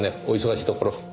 お忙しいところ。